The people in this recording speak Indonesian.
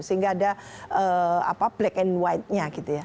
sehingga ada black and white nya gitu ya